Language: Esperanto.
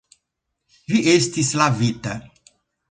Vi estis lavita.